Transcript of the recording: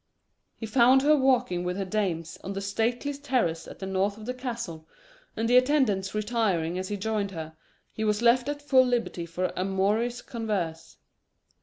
He found her walking with her dames on the stately terrace at the north of the castle, and the attendants retiring as he joined her, he was left at full liberty for amorous converse.